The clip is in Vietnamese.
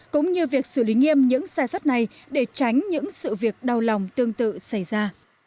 cũng như việc xử lý nghiêm những sai sót này để tránh những sự việc đau lòng tương tự xảy ra